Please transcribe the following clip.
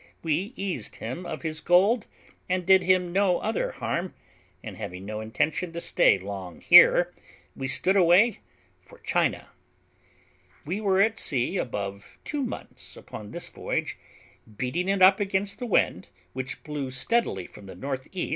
We eased him of his gold, and did him no other harm, and having no intention to stay long here, we stood away for China. We were at sea above two months upon this voyage, beating it up against the wind, which blew steadily from the N.E.